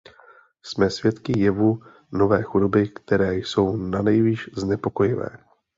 Jsme svědky jevů nové chudoby, které jsou nanejvýš znepokojivé.